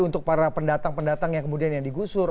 untuk para pendatang pendatang yang kemudian yang digusur